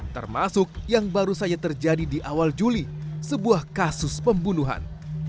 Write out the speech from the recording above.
termasuk yang baru saja terjadi di awal juli sebuah kasus pembunuhan